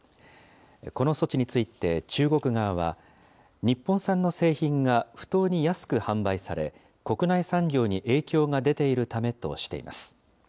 この措置について中国側は、日本産の製品が不当に安く販売され、国内産業に影響が出ているためとしています。